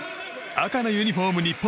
赤のユニホーム、日本。